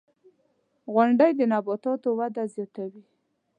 • غونډۍ د نباتاتو وده زیاتوي.